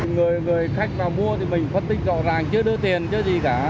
người khách mà mua thì mình phân tích rõ ràng chứ đưa tiền chứ gì cả